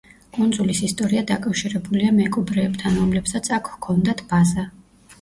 კუნძულის ისტორია დაკავშირებულია მეკობრეებთან, რომლებსაც აქ ჰქონდათ ბაზა.